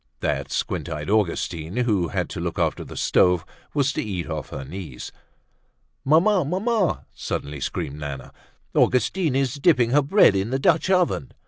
That squint eyed Augustine who had to look after the stoves was to eat off her knees. "Mamma! Mamma!" suddenly screamed Nana, "Augustine is dipping her bread in the Dutch oven!"